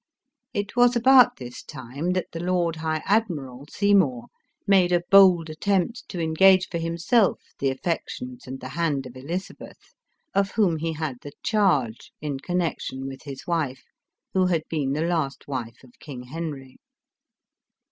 It was about this time that the lord high admiral, Sey mour, made a bold attempt to engage for himself the affections and the hand of Elizabeth, of whom he had the charge, in connection with his wife, who had been the last wife of King Henry.